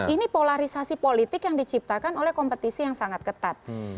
ini polarisasi politik yang diciptakan oleh kompetisi yang sangat ketat